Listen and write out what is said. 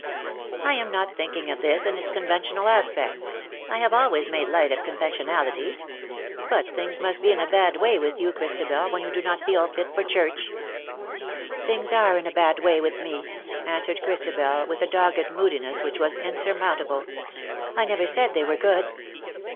" I am not thinking of this in its conventional aspect — I have always made light of convention 266 ^^ SHE STOOD UP IN BITTER CASE^ alities — but things must be in a bad way with you, Christabel;, when you do not feel fit for church/^ " Things are in a bad way with me" answered Christabel, with a dogged moodiness which was in surmountable. " I never said they were good."